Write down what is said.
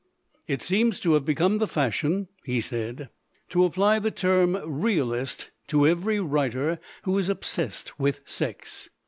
"It seems to have become the fashion," he said, "to apply the term Realist to every writer who is obsessed with sex.